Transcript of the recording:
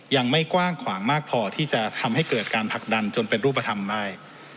ยังไม่กว้างขวางมากพอที่จะทำให้เกิดการผลักดันจนเป็นรูปธรรมได้